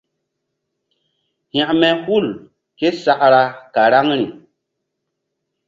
Hȩkme hul késakra karaŋri.